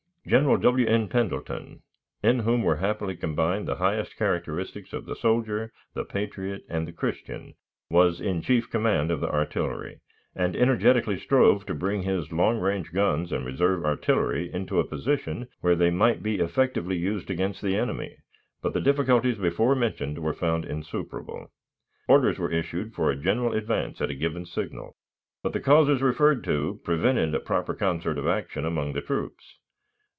General W. N. Pendleton, in whom were happily combined the highest characteristics of the soldier, the patriot, and the Christian, was in chief command of the artillery, and energetically strove to bring his long range guns and reserve artillery into a position where they might be effectively used against the enemy, but the difficulties before mentioned were found insuperable. Orders were issued for a general advance at a given signal, but the causes referred to prevented a proper concert of action among the troops.